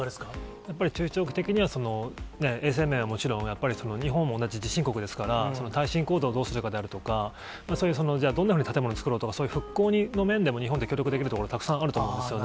やっぱり中長期的には、衛生面はもちろん、やっぱりその日本も同じ地震国ですから、耐震構造をどうするかであるとか、どんなふうに建物作ろうとか、そういう復興の面でも、日本って協力できるところっていっぱいあると思うんですよね。